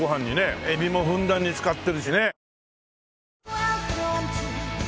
エビもふんだんに使ってるしね。